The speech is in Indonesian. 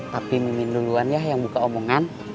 tapi mimin duluan ya yang buka omongan